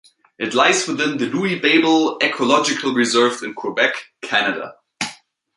It lies within the Louis-Babel Ecological Reserve in Quebec, Canada.